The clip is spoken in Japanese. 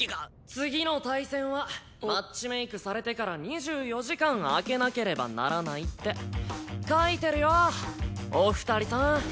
「次の対戦はマッチメイクされてから２４時間空けなければならない」って書いてるよお二人さーん！